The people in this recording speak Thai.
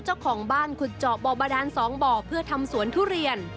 เจ้าของบ้านขุดเจาะบ่อบาดาน๒บ่อเพื่อทำสวนทุเรียน